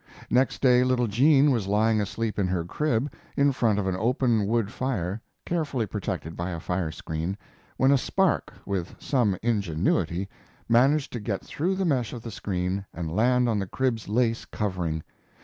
Next day little Jean was lying asleep in her crib, in front of an open wood fire, carefully protected by a firescreen, when a spark, by some ingenuity, managed to get through the mesh of the screen and land on the crib's lace covering.